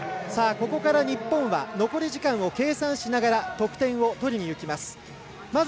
ここから日本は残り時間を計算しながら得点を取りにいきます。